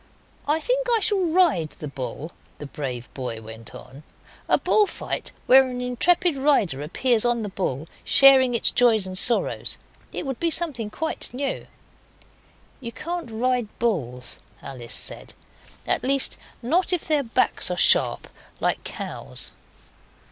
'I think I shall ride the bull,' the brave boy went on. 'A bull fight, where an intrepid rider appears on the bull, sharing its joys and sorrows. It would be something quite new.' 'You can't ride bulls,' Alice said; 'at least, not if their backs are sharp like cows.